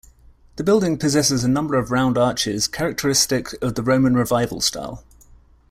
The building possesses a number of round arches characteristic of the Roman Revival style.